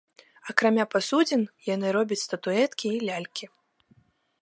Акрамя пасудзін яны робяць статуэткі і лялькі.